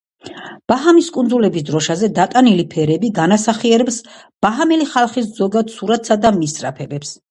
ბაჰამის კუნძულების დროშაზე დატანილი ფერები განასახიერებს ბაჰამელი ხალხის ზოგად სურათსა და მისწრაფებებს.